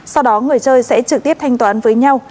sau đó người chơi sẽ trực tiếp thanh toán với nhau